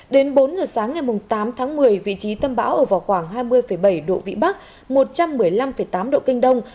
đến bốn giờ sáng ngày tám tháng một mươi vị trí tâm bão ở vào khoảng hai mươi bảy độ vĩ bắc một trăm một mươi năm tám độ kinh đông